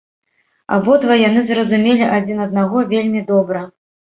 Абодва яны зразумелі адзін аднаго вельмі добра.